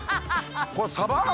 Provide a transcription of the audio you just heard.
これサバ？